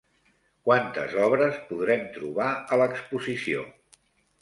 Quantes obres podrem trobar a l'exposició?